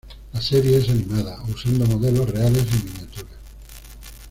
La serie es animada usando modelos reales en miniatura.